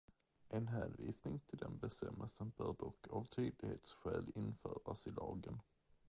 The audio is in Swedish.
En hänvisning till den bestämmelsen bör dock av tydlighetskäl införas i lagen.